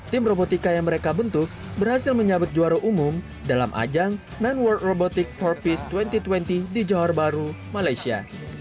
tim robotika yang mereka bentuk berhasil menyambet juara umum dalam ajang sembilan world robotics empat piece dua ribu dua puluh di johor bahru malaysia